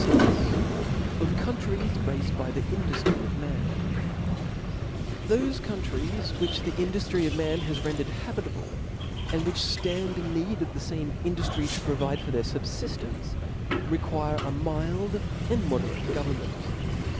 VL Of Countries raifed by the Indujiry of Man* '1 ''HOSE countries which the induffry of man has rendered habitable^ and which ftarid in need of the faai^ induftry. to provide for their fub* fiftcnce, require a mild and moderate governn^nt.